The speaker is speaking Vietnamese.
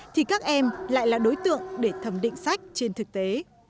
thì các em lại là đối tượng để thẩm định sách trên thực tế